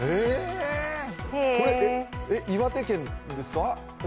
これ、岩手県ですか？